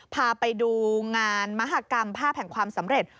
พาไปดูงานมหากรรมภาพแห่งความสำเร็จ